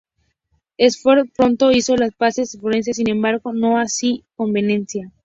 Sforza pronto hizo las paces con Florencia, sin embargo no así con Venecia.